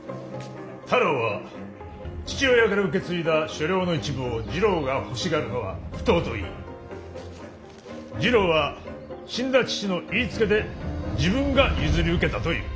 太郎は父親から受け継いだ所領の一部を次郎が欲しがるのは不当と言い次郎は死んだ父の言いつけで自分が譲り受けたと言う。